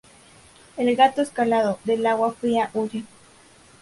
El gato escaldado, del agua fría huye